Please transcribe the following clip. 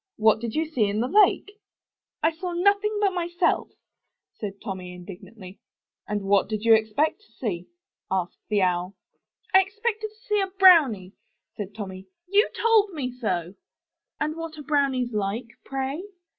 'What did you see in the lake?" *'I saw nothing but myself," said Tommy, indig nantly. ''And what did you expect to see?" asked the Owl. 32 UP ONE PAIR OF STAIRS "I expected to see a brownie," said Tommy; ''you told me so/* "And what are brownies like, pray?